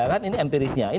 ya kan ini empirisnya